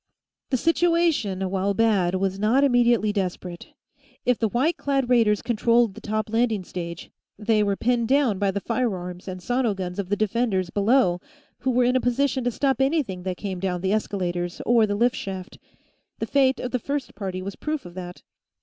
The situation, while bad, was not immediately desperate. If the white clad raiders controlled the top landing stage, they were pinned down by the firearms and sono guns of the defenders, below, who were in a position to stop anything that came down the escalators or the lift shaft. The fate of the first party was proof of that.